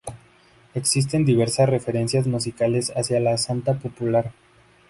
Existen diversas referencias musicales hacía la santa popular.